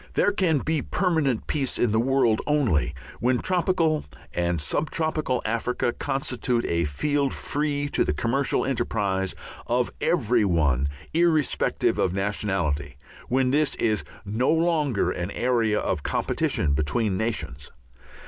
There can be permanent peace in the world only when tropical and sub tropical Africa constitute a field free to the commercial enterprise of every one irrespective of nationality, when this is no longer an area of competition between nations.